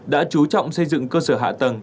đã chú trọng xây dựng cơ sở hạ tầng